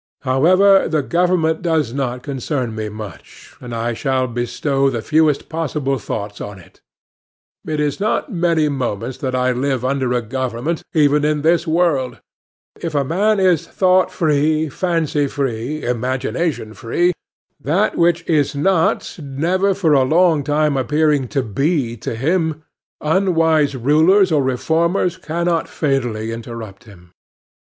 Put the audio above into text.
However, the government does not concern me much, and I shall bestow the fewest possible thoughts on it. It is not many moments that I live under a government, even in this world. If a man is thought free, fancy free, imagination free, that which is not never for a long time appearing to be to him, unwise rulers or reformers cannot fatally interrupt him.